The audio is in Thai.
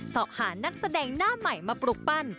สอบหานักแสดงหน้าใหม่มาปลูกปั้น